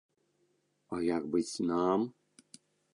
А як быць нам?